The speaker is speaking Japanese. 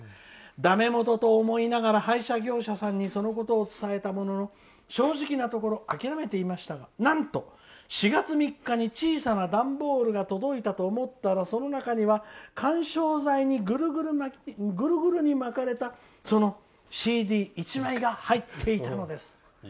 だめもとと思いながら廃車業者さんにそのことを伝えたものの正直なところ諦めていましたがなんと４月３日に小さな段ボールが届いたと思ったらその中には、緩衝材にぐるぐるに巻かれたそのＣＤ１枚が入っていたのです。